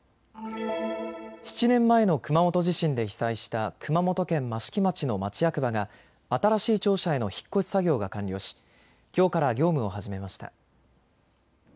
７年前の熊本地震で被災した熊本県益城町の町役場が新しい庁舎への引っ越し作業が完了しきょうから業務を始めました。